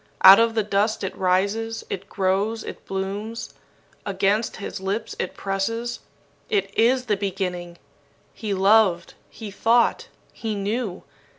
Out of the dust it rises, it grows, it blooms. Against his lips it presses. It is the beginning! He loved, he thought, he knew.